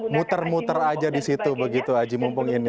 muter muter aja di situ begitu aji mumpung ini